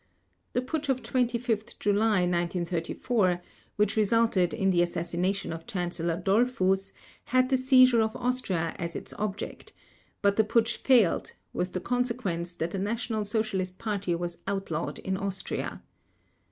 The Putsch of 25 July 1934, which resulted in the assassination of Chancellor Dollfuss, had the seizure of Austria as its object; but the Putsch failed, with the consequence that the National Socialist Party was outlawed in Austria.